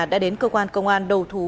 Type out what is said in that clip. đã đến cơ quan công an đầu thú